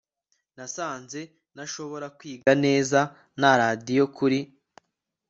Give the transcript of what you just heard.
Nasanze ntashobora kwiga neza na radio kuri